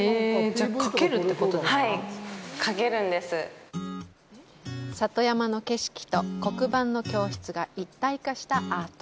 じゃあ里山の景色と黒板の教室が一体化したアート。